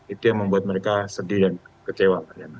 itu yang membuat mereka sedih dan kecewa